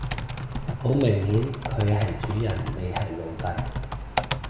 好明顯佢係主人你係奴隸